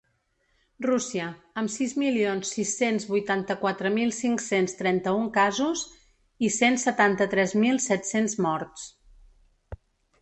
Rússia, amb sis milions sis-cents vuitanta-quatre mil cinc-cents trenta-un casos i cent setanta-tres mil set-cents morts.